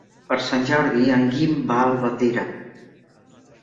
Per Sant Jordi en Guim va a Albatera.